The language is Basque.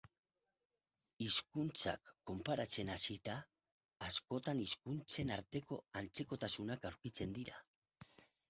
Hizkuntzak konparatzen hasita, askotan hizkuntzen arteko antzekotasunak aurkitzen dira.